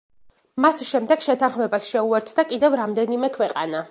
მას შემდეგ შეთანხმებას შეუერთდა კიდევ რამდენიმე ქვეყანა.